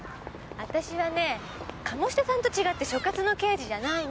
私はね鴨志田さんと違って所轄の刑事じゃないの。